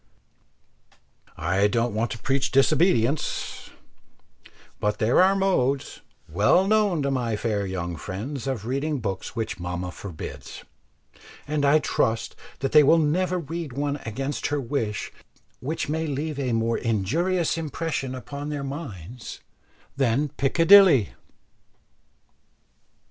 I don't want to preach disobedience; but there are modes well known to my fair young friends of reading books which mamma forbids, and I trust that they will never read one against her wish which may leave a more injurious impression upon their minds than 'Piccadilly.'